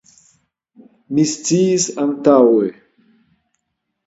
Mi sciis antaŭe.